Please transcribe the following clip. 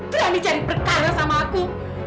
terang dicari perkara sama aku